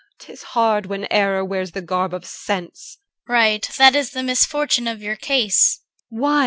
'Tis hard when error wears the garb of sense. CHR. Right. That is the misfortune of your case. EL. Why?